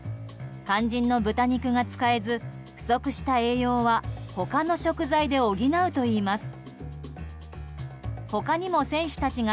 肝心の豚肉が使えず不足した栄養は他の食材で補うといいます。